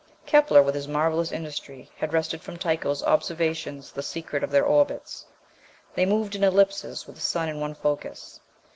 Kepler, with his marvellous industry, had wrested from Tycho's observations the secret of their orbits. They moved in ellipses with the sun in one focus.